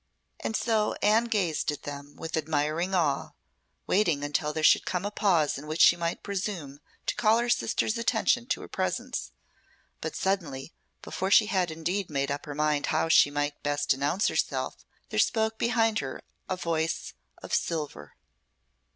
And so Anne gazed at them with admiring awe, waiting until there should come a pause in which she might presume to call her sister's attention to her presence; but suddenly, before she had indeed made up her mind how she might best announce herself, there spoke behind her a voice of silver.